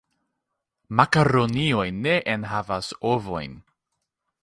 Makaronioj ne enhavas ovojn.